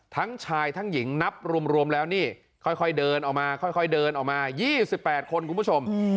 ทั้งชายทั้งหญิงนับรวมแล้วนี่ค่อยเดินออกมาค่อยเดินออกมา๒๘คนคุณผู้ชม